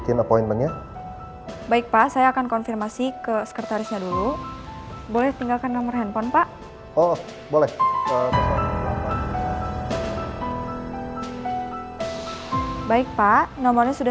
terima kasih sebelumnya